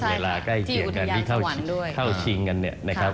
เวลาใกล้เกี่ยวกันที่เข้าชิงกันนะครับ